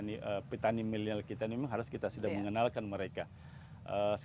tidak ada pilihan selain mekanisasi pertanian paling macam saya sudah meketas mexineralretes